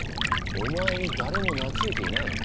お前に誰もなついていないのか？